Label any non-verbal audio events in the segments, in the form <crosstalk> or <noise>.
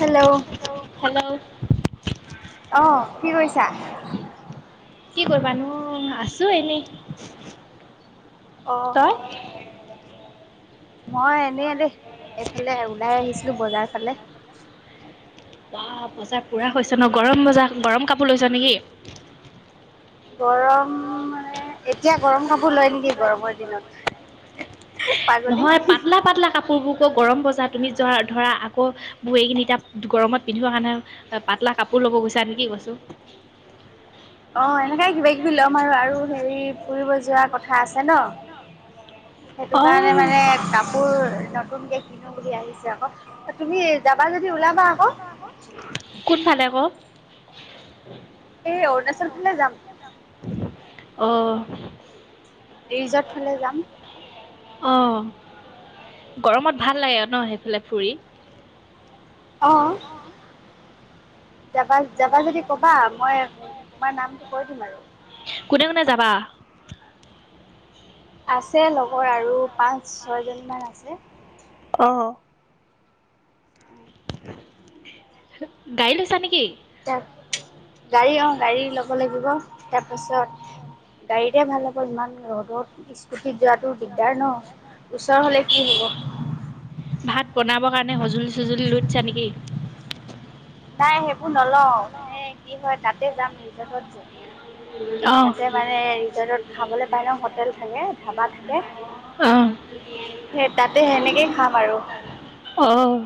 Hello hello অহ কি কৰিছা? কি কৰিবানো আছো এনেই, তই? মই এনে দেই এইফালে ওলাই আহিছিলো বজাৰ ফালে। অহ পইছা পুৰা হৈছে ন গৰম বজা গৰম কাপোৰ লৈছ নেকি? গৰম মানে এতিয়া গৰম কাপোৰ লয় নেকি গৰমৰ দিনত। নহয় পাতলা পাতলা কাপোৰবোৰ কৌ গৰম বজা তুমি যৰা ধৰা আকৌ মই এই কিনি এতিয়া গৰমত পিন্ধিব কাৰণে পাতলা কাপোৰ ল'ব গৈছা নেকি কৈছো। অ এনেকাই কিবা কিবি লম আৰু আৰু হেৰি ফুৰিব যোৱাৰ কথা আছে ন সেইটো কাৰণে মানে কা পোৰ নতুনকে কিনো বুলি আহিছে আকৌ, তুমি যাবা যদি ওলাবা আক। কোন ফালে ক? এই অৰুণাচল ফালে যাম। অ। ৰিজৰ্ট ফালে যাম। অ গৰমত ভাল লাগে ন সেইফালে ফুৰি? অ'। যাবা যাবা যদি কবা মই তোমাৰ নামটো কৈ দিম আৰু। কোনে কোনে যাবা? আছে লগৰ আৰু পাঁচ ছয়জনীমান আছে। অ। উম গাড়ী লৈছা নেকি তা‌ গাড়ী অ গাড়ী ল'ব লাগিব তাৰপাছত গাড়ীতে ভাল হ'ব ইমান ৰ'দত পুঠিত যোৱাটো দিগদাৰ ন ওচৰ হলে কি হ'ব ভাত বনাবৰ কাৰণে সঁজুলি চজুলি লৈ থৈছা নেকি নাই সেইবোৰ নলওঁ মানে কি হয় তাতে যাম ৰিজৰ্টত তাতে মানে ৰিজৰ্টত খাবলে পাই ন হোটেল থাকে ধাবা থাকে সেই তাতে সেনেকেই খাম আৰু অ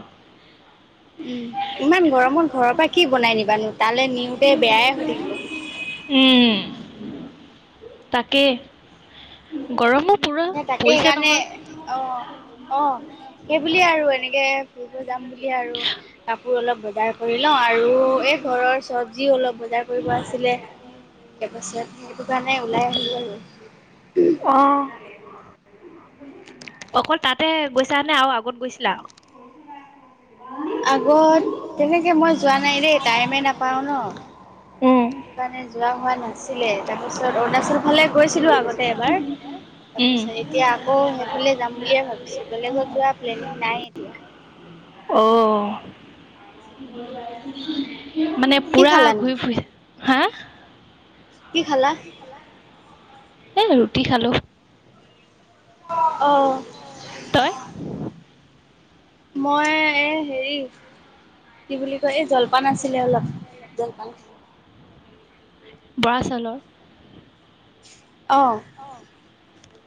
উম ইমান গৰমত ঘৰৰ পৰা কি বনাই নিবা নো তালৈ নিওতে বেয়াই হৈ থাকিব উম তাকে গৰম তাতে সেইকাৰণে অ অ সেই বুলিয়ে আৰু এনেকে ফুৰিব যাম বুলিয়ে আৰু কাপোৰ অলপ বজাৰ কৰি লওঁ আৰু এই ঘৰৰ চবজিও অলপ বজাৰ কৰিব আছিলে তাৰপাছত সেইটো কাৰণে ওলাই আহিলো আৰু অহ অকল তাতে গৈছা নে আৰু আগত গৈছিলা আগত তেনেকে মই যোৱা নাই দেই টাইমে নাপাওঁ ন সেইটো কাৰণে যোৱা হোৱা নাছিলে তাৰ পিছত অৰুণাচল ফালে গৈছিলো আগত এবাৰ তাৰপাছত এতিয়া অ সেইফালে যাম বুলিয়ে ভাবিছো বেলেগত যোৱা প্লেনিং নাই এতিয়া অ অ <unintelligible> মানে কি খালানো কি খালা এ ৰুটি খালো অ অ তই মই এ হেৰি কি বুলি কয় এই জলপান আছিলে অলপ জলপান বৰা চাউলৰ অ অ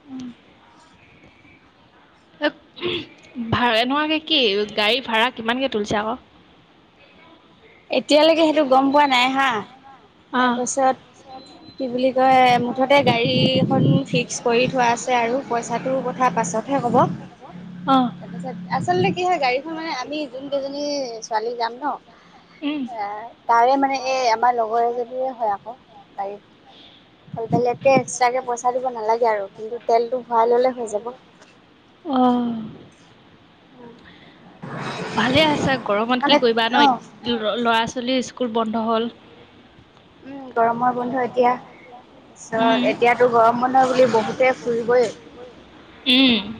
উম এ ওম ভা এনেকুৱাকে কি গাড়ী ভাড়া কিমানকে তুলিছে আকৌ এতিয়ালৈকে সেইটো গম পোৱা নাই হা তাৰপাছত কি বুলি কয় মুঠতে গাড়ীখন ফিক্স কৰি থোৱা আছে আৰু পইচাটো কথা পাছত হে হব তাৰপিছত আচলতে কি হয় গাড়ীখন মানে আমি যোন কেজনী ছোৱালী যাম ন এ তাৰে মানে এই আমাৰ লগৰে এজনীৰে হয় আকৌ গাড়ী বেলেগকে এক্সট্ৰাকে পইচা দিব নালাগে আৰু কিন্তু তেলটো ভৰাই ললে হৈ যাব অহ ভালে আছে গৰমত কি কৰিবা ন ল ল'ৰা ছোৱালীৰো স্কুল বন্ধ হ'ল উম গৰমৰ বন্ধ এতিয়া উম এতিয়াতো গৰম বন্ধ বুলি বহুতে ফুৰিব যাব উম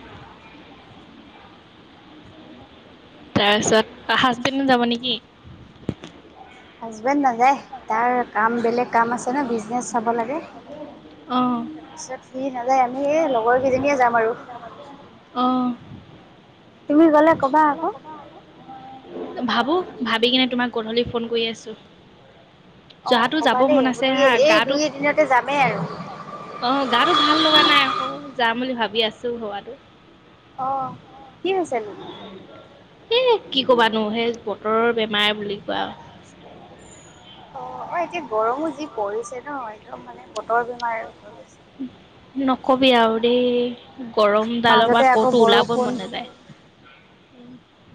তাৰপিছত হাজবেণ্ডো যাব নেকি হাজবেণ্ড নাযায় তাৰ কাম বেলেগ কাম আছে ন বিজনেচ চাব লাগে অঁ। তাৰপিছত সি নাযায়, আমি এই লগৰ কেইজনীয়ে যাম আৰু। অঁ। তুমি গ'লে ক'বা আকৌ। ভাবো, ভাবি কিনে তোমাক গধূলি ফোন কৰি আছো। অঁ ক'বা দেই, <unintelligible> এই দুই এদিনতে যামেই আৰু। অঁ, গাতো ভাল লগা নাই আকৌ, যাম বুলি ভাবি আছো ভবাটো। অঁ, কি হৈছে নো? এ কি কবানো সেই বতৰৰ বেমাৰ বুলি কোৱা অঁ, এতিয়া গৰমো যি পৰিছে ন' একদম মানে বতৰ বেমাৰ আৰু হৈ গৈছে। নকবি আৰু দেই গৰম ডালৰ পৰা ক'তো ওলাবই মন নাযায়।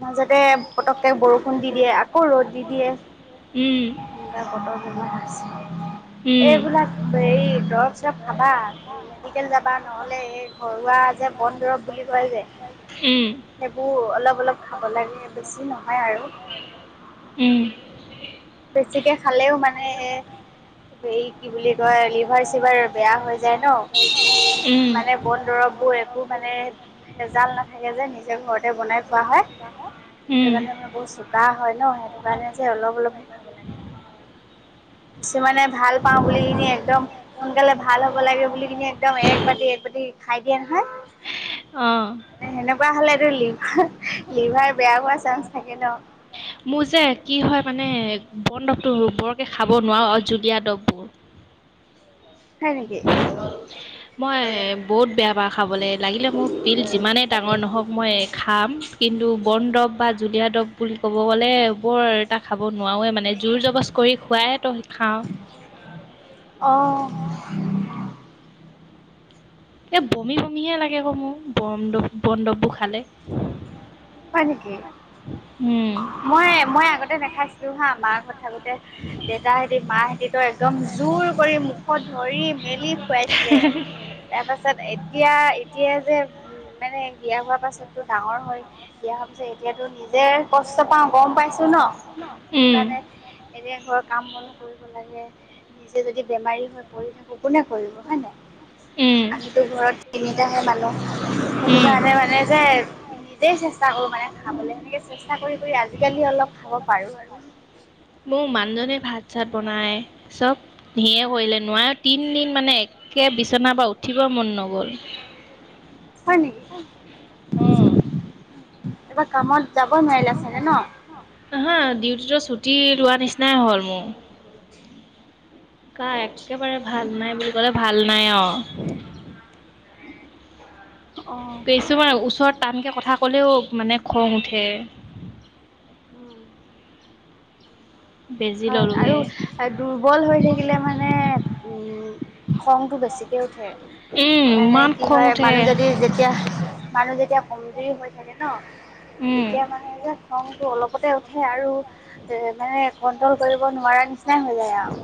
মাজতে পতক'কে বৰষুণ দি দিয়ে আকৌ ৰ'দ দি দিয়ে। উম। <unintelligible> বতৰ বেমাৰ হৈছে। এইবিলাক হেৰি দৰৱ চৰব খাবা, মেডি কেল যাবা নহ'লে এই ঘৰুৱা যে বন দৰৱ বুলি কয় যে। সেইবোৰ অলপ-অলপ খাব লাগে, বেছি নহয় আৰু। উম। বেছিকে খালেও মানে এ হেৰি কি বুলি কয় লি লিভাৰ-চিভাৰ বেয়া হৈ যায় ন' মানে বন দৰববোৰ একো মানে- ভেজাল নাথাকে যে নিজৰ ঘৰতে বনাই খোৱা হয়। সেইটো কাৰণে মানে বহুত চো কা হয় ন' সেইটো কাৰণে যে অলপ অলপহে খাব লাগে। কিছুমানে ভাল পাওঁ বুলি কিনি একদম সোনকালে ভাল হ'ব লাগে বুলি কিনি একদম একবাতি একবাতি খাই দিয়ে নহয়- মানে সেনেকুৱা হ'লেতো লিভাৰ-লিভাৰ বেয়া হোৱা চান্স থাকে ন'। মোৰ যে কি হয় মানে বন দৱটো বৰকে খাব নোৱাৰো আৰু জুলীয়া দৰৱ- মই বহুত বেয়া পাওঁ খাবলে, লাগিলে মোক পিল যিমানে ডাঙৰ নহওঁক মই খাম কিন্তু বন দৰৱ বা জুলীয়া দৰৱ বুলি ক'ব গ'লে বৰ টা খাব নোৱাৰোঁৱে মানে জোৰ জবজ কৰি খোৱাই তো খাওঁ। অঁ। এই বমি বমিহে লাগে আকৌ মোৰ বন-বন দৰৱবোৰ খালে। হয় নেকি, মই মই আগতে নাখাইছিলো হা মাৰ ঘৰত থাকোতে দেউতাহেতি মাহেতি তো একদম জোৰ কৰি মুখত ধৰি মেলি খুৱাইছিলে। তাৰ পাছত এতিয়া, এতিয়া যে উম মানে বিয়া হোৱা পাছতো ডাঙৰ হয়। বিয়া হোৱা পিছত এতিয়াতো নিজে কষ্ট পাওঁ গম পাইছো ন' সেইটো কাৰণে এতিয়া ঘৰৰ কাম বনো কৰিব লাগে, নিজে যদি বেমাৰী হৈ পৰি থাকো কোনে কৰিব হয় নাই। আমিতো ঘৰত তিনিটাহে মানুহ, সেইটো কাৰণে মানে যে চেষ্টা কৰো মানে খাবলৈ সেনেকে চেষ্টা কৰি কৰি আজিকালি অলপ খাব পাৰো আৰু। মোৰ মানুহজনে ভাত-চাত বনাই চ'ব সিয়ে কৰিলে, নোৱাৰা তিনদিন মানে একে বিচনাৰ পৰা উঠিব মন নগল। অঁ। এবাৰ কামত যাব নোৱাৰিলা চাগে ন'? ডিউটিতো ছুটি লোৱা নিচিনাই হ'ল মোৰ। গা একেবাৰে ভাল নাই বুলি ক'লে ভাল নাই আৰু। কিছুমানে ওচৰত টানকে কথা ক'লেও মানে খং উঠে। উম। হয়, আৰু দুৰ্বল হৈ থাকিলে মানে উম উম, খংটো বেছিকে উঠে। মানে কি হয়, মানুহ যদি যেতিয়া মানুহ যেতিয়া কমজুৰি হৈ থাকে ন' তেতিয়া মানে যে, খংতটো অলপতে উঠে। আৰু এ মানে কন্ট্ৰল কৰিব নোৱাৰা নিচিনা হৈ যায় আৰু।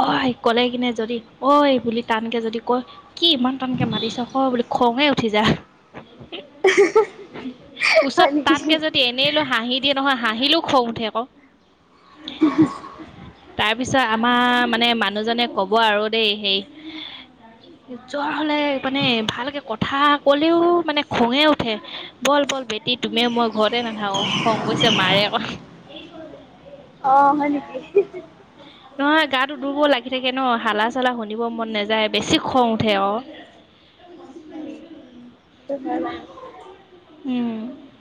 অই ক'লে কিনে যদি, অই বুলি টানকে যদি কয় কি ইমান টানকে মাতিছ ক বুলি খঙে উঠি যাই। <unintelligible> ওচৰত টানকে যদি এনেই লৈ হাঁহি দিয়ে নহয়, হাঁহিলেও খং উঠে আকৌ। <inaudible> তাৰপিছত আমাৰ মানে মানুহজনে ক'ব আৰু দেই, সেই জ্বৰ হ'লে মানে ভালকে কথা ক'লেও মানে খঙে, উঠে ব'ল ব'ল বেটি তুমি মই ঘৰতে নাথাকো খঙ কৰিছে মাৰে আকৌ। <unintelligible> নহয় গাটো দুৰ্বল লাগি থাকে ন' হালা-চালা শুনিব মন নাযায়, বেছি খং উঠে অ'। উম, সেইটো হয় বাৰু।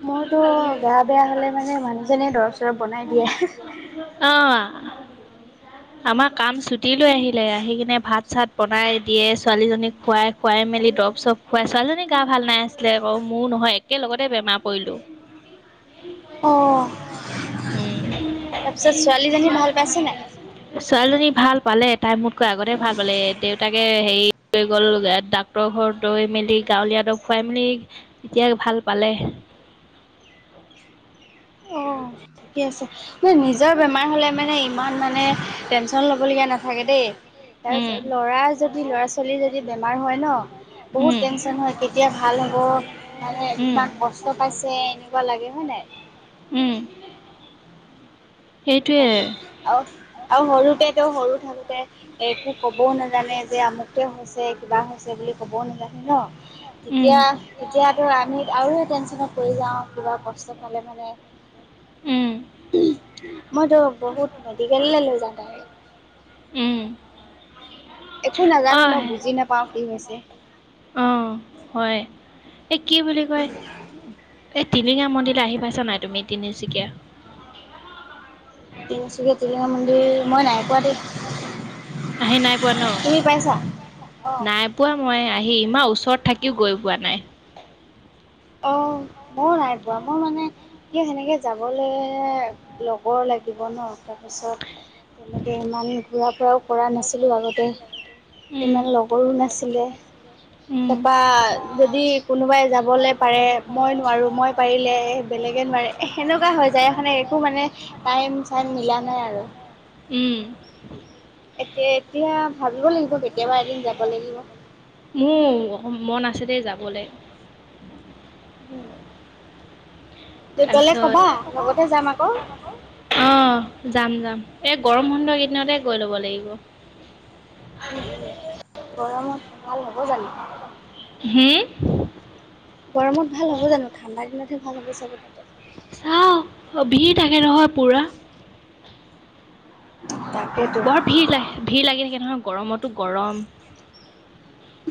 মোৰতো গা বেয়া হ'লে মানে মানুহজনে দৰৱ-চৰব বনাই দিয়ে। অ', আমাৰ কাম ছুটি লৈ আহি- লে আহি কিনে ভাত চাত বনাই দিয়ে, ছোৱালীজনীক খুৱাই শুৱাই মেলি দৰৱ-চৰপ ছোৱালীজনী গা ভাল নাই আছিলে আকৌ মোৰ নহয়, একেলগতে বেমাৰ পৰিলো। উম। ছোৱালীজনী ভাল পালে, তাই মোতকৈ আগতে ভাল পালে, দেউতাকে হেৰি গ'ল ডক্ট্ৰৰ ঘৰত গৈ মেলি, গাঁৱলীয়া দৰব খুৱাই মেলি এতিয়া ভাল পালে। ঠিকে আছে, নিজৰ বেমাৰ হ'লে মানে ইমান মানে টেনচন লবলগীয়া নাথাকে দেই। তাৰপিছত ল'ৰা যদি ল'ৰা-ছোৱালী যদি বেমাৰ হয় ন' বহুত টেনচন হয়, কেতিয়া ভাল হ'ব। মানে কিমান কষ্ট পাইছে, এনেকুৱা লাগে হয় নাই? উম। আৰু আৰু সৰুতে তেওঁ সৰু থাকোতে একো ক'বও নাজানে যে, আমুকতোৱে হৈছে কিবা হৈছে বুলি ক'বও নাজানে ন'? তেতিয়া তেতিয়াতো আমি আৰু টেনচনত পৰি যাওঁ, কিবা কষ্ট পালে মানে উম। মইতো বহুত মেডিকেললৈ লৈ যাওঁ ডাইৰেক্ট। উম। একো নাজানো ন' বুজি নাপাওঁ কি হৈছে। অ', হয়, এই কি বুলি কয় এই টিলিঙা মন্দিৰলৈ আহি পাইছা নাই তুমি তিনিচুকীয়া? তিনিচুকীয়া টিলিঙা মন্দিৰ মই নাই পোৱা দেই। তুমি পাইছা, অ'। নাই পোৱা মই আহি ইমান ওচৰত থাকিও গৈ পোৱা নাই। অ', মইও নাই পোৱা, মই মানে এতিয়া সেনেকে যাবলৈ লগৰ লাগিব ন' তাৰপিছত তেনেকে ইমান ঘূৰা ফূৰাও <unintelligible> উম উ উ উ <unintelligible> তাৰপা যদি কোনোবাই যাবলৈ পাৰে। এ এ এ মই নোৱাৰো মই পাৰিলে বেলেগে নোৱাৰে এ সেনেকুৱা হয় যায় এখনে একো মানে টাইম-চাইম মিলা নাই আৰু উম উ উ। এতিয়া এতিয়া ভাবিব লাগিব কেতিয়াবা এদিন যাব লাগিব। হুম উ উ বহু মন আছে দেই যাবলে। উম উ দে গলে কবা লগতে যাম আকৌ। ঠা অ যাম যাম এই গৰম বন্ধৰ কেইদিনতে গৈ ল'ব লাগিব। উম উম, গৰমত ভাল হ'ব জানো? হুম। গৰমত ভাল হ'ব জানো ঠাণ্ডা দিনতহে ভাল হ'ব চাগে তাতে। চাওঁ আকৌ ভিৰ থাকে নহয় পুৰা। বৰ ভিৰ লাগ ভিৰ লাগি থাকে নহয় গৰমতো গৰম।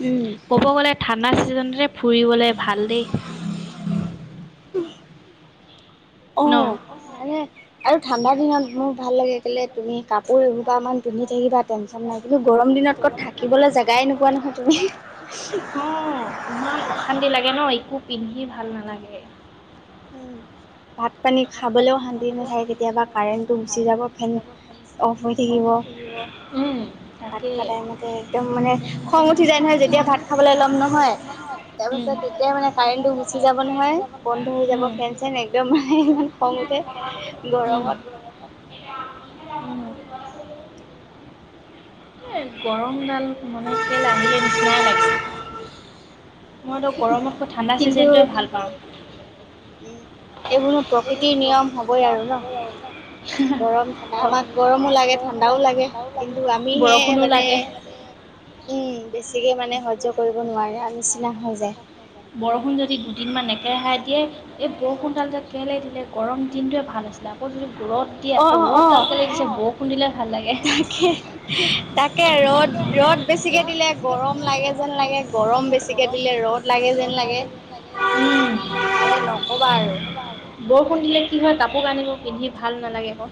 উম উ উ। ক'ব গ'লে ঠাণ্ডা ছিজনটোৱে ফুৰিবলৈ ভাল দেই। ন। মানে আৰু ঠাণ্ডা দিনত মোৰ ভাল লাগে কেলে তুমি কাপোৰ এখোবামান পিন্ধি থাকিবা টেনচন নাই কিন্তু গৰম দিনত ক'ত থাকিবলৈ জাগাই নোপোৱা নহয় তুমি হি হি ইস্ সি। ইমান অশান্তি লাগে ন একো পিন্ধি ভাল নালাগে। উ উ উ ভাত-পানী খাবলৈও শান্তি নেথাকে কেতিয়াবা কাৰেণ্টটো গুচি যাব ফেন অফ হৈ থাকিব। উম উম উ উ আহ। ভাত খোৱা টাইমতে একদম মানে খং উঠি যায় নহয় যেতিয়া ভাত খাবলৈ ল'ম নহয়। তাৰ পাছত তেতিয়াই মানে কাৰেণ্টটো গুচি যাব নহয় বন্ধ হৈ যাব ফেন-চেন যেন একদম হে হে ইমান খং উঠে ই আ আ গৰমত। <unintelligible> এ এ এ গৰমডাল মানে কেলে আহিলে নিচিনাই লাগে পুওওওওওও মইতো গৰমতকৈ ঠাণ্ডা ছিজনটোৱে ভাল পাওঁ। উম উ উ এইবোৰো প্ৰকৃতিৰ নিয়ম হবই আৰু ন। গৰম-ঠাণ্ডা আমাক গৰমো লাগে ঠাণ্ডাও লাগে কিন্তু আমি সে এ এ মানে হুম উ উ বেছিকে মানে সহ্য কৰিব নোৱাৰে আৰু নিচিনা হৈ যায়। বৰষুণ যদি দুদিনমান একেৰাহাই দিয়ে এই বৰষুণ দাল যে কেলে দি এনে গৰম দিনটোৱে ভাল আছিলে আকৌ যদি দূৰত অহ অ অ অ ই হি তাকেই ইস্ তাকে ৰ'দ ৰ'দ বেছিকে দিলে গৰম লাগে যেন লাগে গৰম বেছিকে দিলে ৰ'দ লাগে যেন লাগে। উম উ উ কিবা লাগে। বৰষুণ দিলে কি হয় কাপোৰ কানি বোৰ পিন্ধি ভাল নালাগে আকৌ।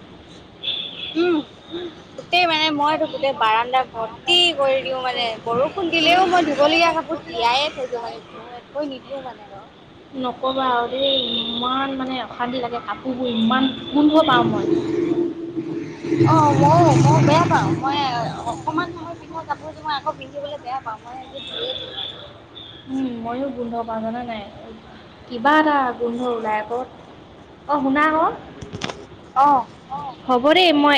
উম উ উ। উমহ উ উ। গোটেই মানে মইতো গোটেই বাৰান্দা ভৰ্তি কৰি দিওঁ মানে বৰষুণ দিলেও মই ধুবলগীয়া কাপোৰ টিয়াইয়ে থৈ দিও মানে ম থৈ নিদিও মানে আকৌ নক'বা আৰু দেই ইমান মানে অশান্তি লাগে কাম ইমান কি কি? হু ও ও ও ও ও অ মইয়ো মই বেয়া পাওঁ মই এ আ অকমান ধূপত পিন্ধা কাপোৰ মই আকৌ পিন্ধিবলৈ বেয়া পাও মই ধুইয়ে দিম আৰু উম ময়ো গোন্ধ পাওঁ জানে নাই কিবা এটা গোন্ধ ওলাই আক অ শুনা আক অ অ হ'ব দেই মই